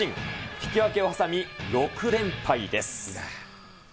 引き分けを挟み、６連敗です。